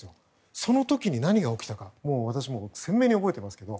その時に何が起きたか私も鮮明に覚えていますけど